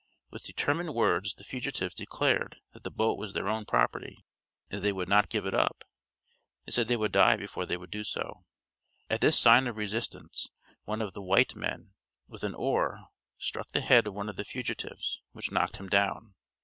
With determined words the fugitives declared that the boat was their own property, and that they would not give it up; they said they would die before they would do so. At this sign of resistance one of the white men, with an oar, struck the head of one of the fugitives, which knocked him down.